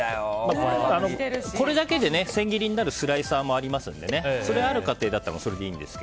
これだけで千切りになるスライサーもありますんでそれある家庭だったらそれでいいんですが。